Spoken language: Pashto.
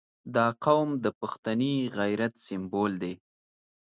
• دا قوم د پښتني غیرت سمبول دی.